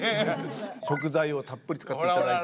食材をたっぷり使っていただいて。